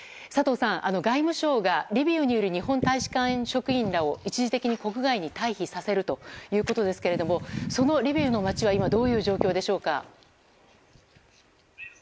佐藤さん、外務省がリビウにいる日本大使館職員らを一時的に国外に退避させるということですがそのリビウの街は今どういう状況でしょうか？